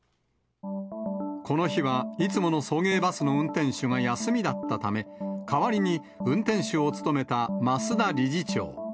この日はいつもの送迎バスの運転手が休みだったため、代わりに運転手を務めた増田理事長。